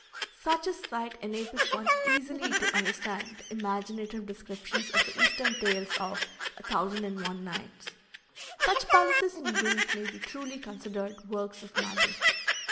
Such a sight enables one easily to understand the imaginative descriptions of the Eastern tales of "a thousand and one nights." Such palaces and rooms may be truly considered works of magic.